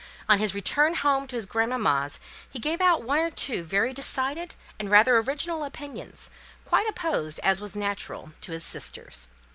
On his return home to his grand mamma's, he gave out one or two very decided and rather original opinions, quite opposed as was natural to his sisters'.